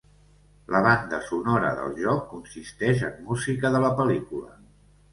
La banda sonora del joc consisteix en música de la pel·lícula.